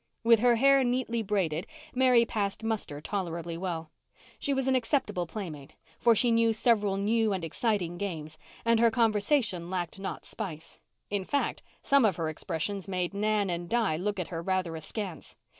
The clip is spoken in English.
With her hair neatly braided Mary passed muster tolerably well. She was an acceptable playmate, for she knew several new and exciting games, and her conversation lacked not spice. In fact, some of her expressions made Nan and Di look at her rather askance.